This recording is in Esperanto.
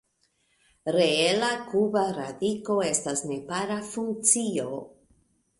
Reela kuba radiko estas nepara funkcio.